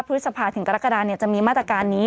พฤษภาถึงกรกฎาจะมีมาตรการนี้